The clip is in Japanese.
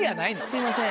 すいません。